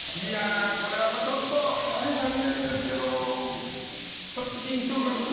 ちょっと残念ですけどちょっと緊張感がね。